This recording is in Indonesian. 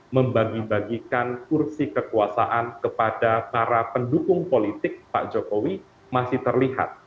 membagi bagikan kursi kekuasaan kepada para pendukung politik pak jokowi masih terlihat